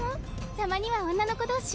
たまには女の子同士